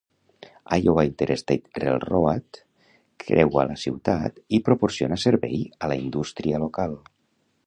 Iowa Interstate Railroad creua la ciutat i proporciona servei a la indústria local.